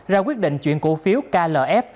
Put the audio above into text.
ra quyết định chuyển cổ phiếu klf